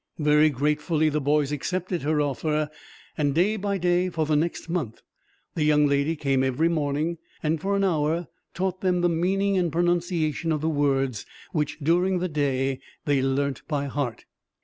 Very gratefully the boys accepted her offer; and, day by day for the next month, the young lady came every morning, and for an hour taught them the meaning and pronunciation of the words, which during the day they learnt by heart.